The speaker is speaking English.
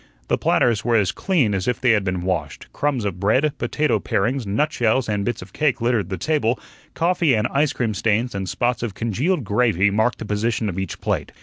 The platters were as clean as if they had been washed; crumbs of bread, potato parings, nutshells, and bits of cake littered the table; coffee and ice cream stains and spots of congealed gravy marked the position of each plate.